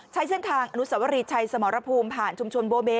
ใช้เส้นทางอนุสวรีชัยสมรภูมิผ่านชุมชนโบเบ